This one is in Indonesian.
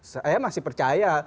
saya masih percaya